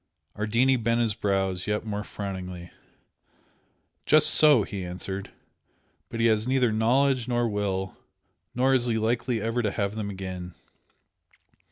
Ardini bent his brows yet more frowningly. "Just so!" he answered "But he has neither knowledge nor will nor is he likely ever to have them again.